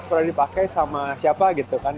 pernah dipakai sama siapa gitu kan